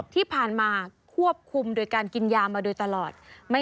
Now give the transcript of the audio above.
ที่ผ่านมาควบคุมโดยการกินยามาโดยตลอด